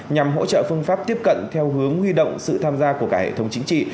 nhằm hỗ trợ phương pháp tiếp cận theo hướng huy động sự tham gia của cả hệ thống chính trị